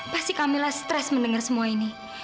pasti kamilah stres mendengar semua ini